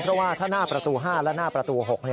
เพราะว่าถ้าหน้าประตู๕และหน้าประตู๖